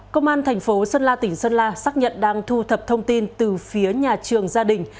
công an thành phố sơn la tỉnh sơn la xác nhận đang thu thập thông tin từ phía nhà trường gia đình